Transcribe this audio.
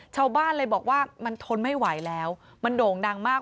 ชาวบ้านเลยบอกว่ามันทนไม่ไหวแล้วมันโด่งดังมาก